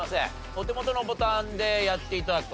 お手元のボタンでやって頂くと。